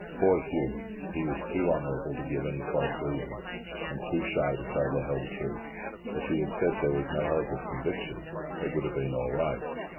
Poor Hugh! He was too honourable to give any false reason, and too shy to tell the whole truth. If he had said that there was no hope of a conviction, it would have been all right.